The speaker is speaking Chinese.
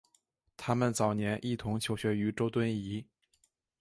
他们早年一同求学于周敦颐。